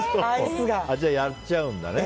じゃあやっちゃうんだね。